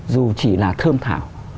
dù chỉ là thơm thảo